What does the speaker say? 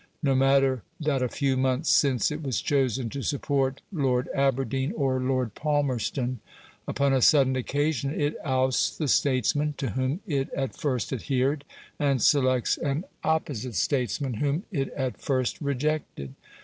No matter that a few months since it was chosen to support Lord Aberdeen or Lord Palmerston; upon a sudden occasion it ousts the statesman to whom it at first adhered, and selects an opposite statesman whom it at first rejected.